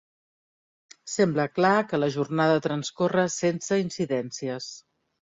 Sembla clar que la jornada transcorre sense incidències.